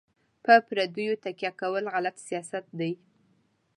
په پردیو تکیه کول غلط سیاست دی.